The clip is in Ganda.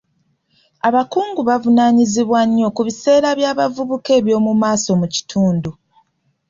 Abakungu bavunaanyizibwa nnyo ku biseera by'abavukuba eby'omu maaso mu kitundu.